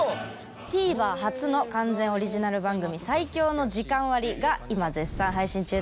ＴＶｅｒ初の完全オリジナル番組『最強の時間割』が今絶賛配信中です。